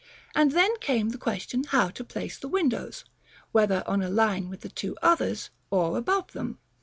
And then came the question how to place the windows, whether on a line with the two others, or above them.